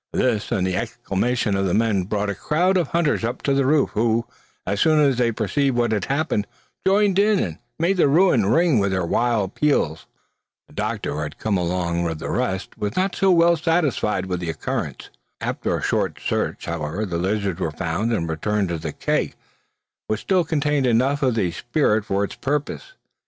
This and the exclamations of the men brought a crowd of hunters up to the roof, who, as soon as they perceived what had happened, joined in, and made the ruin ring with their wild peals. The doctor, who had come up among the rest, was not so well satisfied with the occurrence. After a short search, however, the lizards were found and returned to the keg, which still contained enough of the spirit for his purposes.